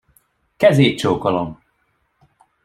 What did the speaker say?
Kezét csókolom!